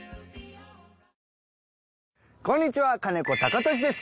こんにちは金子貴俊です。